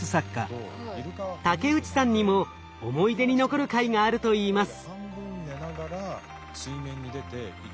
竹内さんにも思い出に残る回があるといいます。